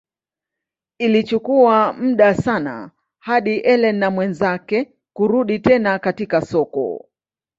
Ilichukua muda sana hadi Ellen na mwenzake kurudi tena katika soko.